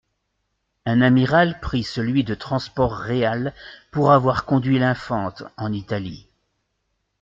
Un amiral prit celui de Transport-Real , pour avoir conduit l’Infant en Italie.